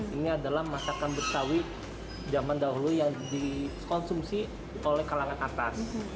ini adalah masakan betawi zaman dahulu yang dikonsumsi oleh kalangan atas